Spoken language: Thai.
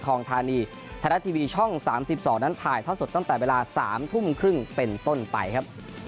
ค่อนข้างที่จะแข็งแกร่งเลยทีเดียวค่ะ